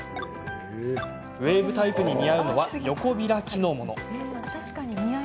ウエーブタイプに似合うのは横開きのもの。